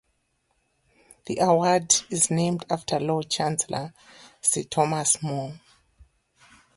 The award is named after Lord Chancellor Sir Thomas More.